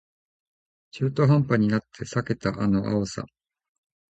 中途半端になって避けたあの青さ